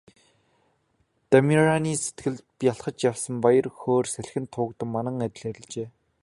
Дамираны сэтгэлд бялхаж явсан баяр хөөр салхинд туугдсан манан адил арилжээ.